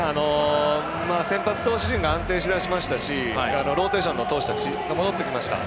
先発投手陣が安定し始めましたしローテーションの投手たちが戻ってきました。